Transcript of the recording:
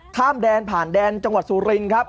ข้ามแดนผ่านแดนจังหวัดสุรินครับ